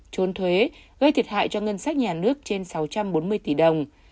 trốn thuế gây thiệt hại cho ngân sách nhà nước trên sáu trăm bốn mươi tỷ đồng